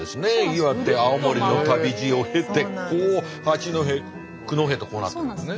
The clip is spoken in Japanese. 岩手青森の旅路を経てこう八戸九戸となってるんですね。